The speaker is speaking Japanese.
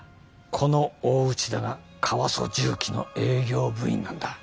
この大内田がカワソ什器の営業部員なんだ。